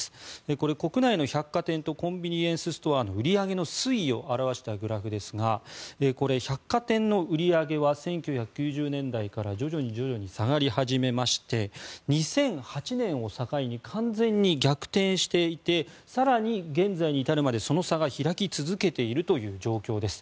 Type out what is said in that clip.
これ、国内の百貨店とコンビニエンスストアの売り上げの推移を表したグラフですが百貨店の売り上げは１９９０年代から徐々に下がり始めまして２００８年を境に完全に逆転していて更に、現在に至るまでその差が開き続けているという状態です。